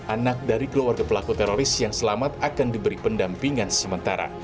anak dari keluarga pelaku teroris yang selamat akan diberi pendampingan sementara